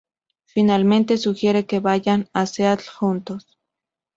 Finalmente sugiere que vayan a Seattle juntos.